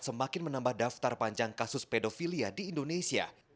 semakin menambah daftar panjang kasus pedofilia di indonesia